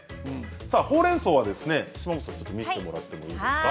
さあほうれんそうはですね島本さん見せてもらってもいいですか？